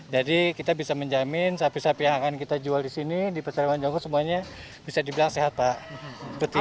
jadi kita bisa menjamin sapi sapi yang akan kita jual di sini di pasar hewan janggut semuanya bisa dibilang sehat pak